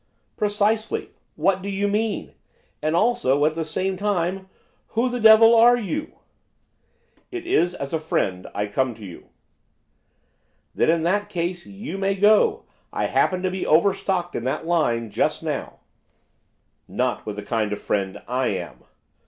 'Precisely, what do you mean? And also, and at the same time, who the devil are you?' 'It is as a friend I come to you.' 'Then in that case you may go; I happen to be overstocked in that line just now.' 'Not with the kind of friend I am!